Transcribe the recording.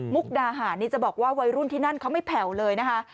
ดาหารนี่จะบอกว่าวัยรุ่นที่นั่นเขาไม่แผ่วเลยนะคะ